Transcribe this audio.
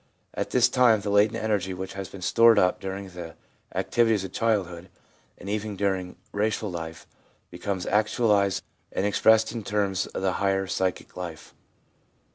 At this time the latent energy which has been stored up during the activities of childhood, and even during racial life, becomes actualised and expressed in terms of the higher psychic life.